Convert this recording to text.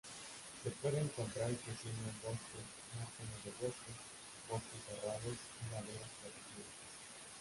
Se puede encontrar creciendo en bosques, márgenes de bosques, bosques cerrados y laderas protegidas.